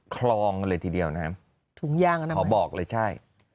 คลองกันเลยทีเดียวนะฮะถุงยางอนามขอบอกเลยใช่